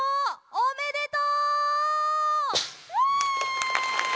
おめでとう！